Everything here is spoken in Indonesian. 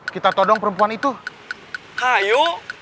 kita tolong perempuan itu kayu